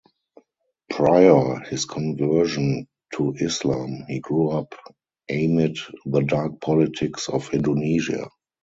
Prior his conversion to Islam, he grew up amid the dark politics of Indonesia.